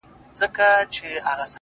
که هر څو دي په لاره کي گړنگ در اچوم!!